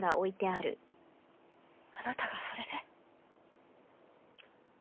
あなたがそれで？